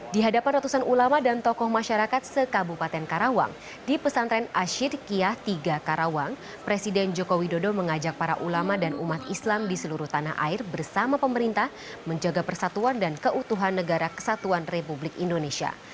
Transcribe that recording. di hadapan ratusan ulama dan tokoh masyarakat sekabupaten karawang di pesantren asyik kiah tiga karawang presiden joko widodo mengajak para ulama dan umat islam di seluruh tanah air bersama pemerintah menjaga persatuan dan keutuhan negara kesatuan republik indonesia